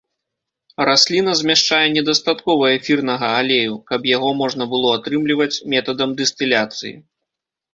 Расліна змяшчае недастаткова эфірнага алею, каб яго можна было атрымліваць метадам дыстыляцыі.